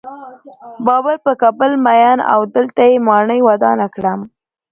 بابر پر کابل مین و او دلته یې ماڼۍ ودانه کړه.